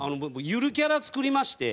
ゆるキャラ作りまして。